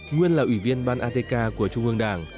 nguyên là ủy viên ban atk của trung ương đảng